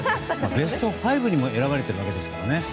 ベスト５にも選ばれていますからね。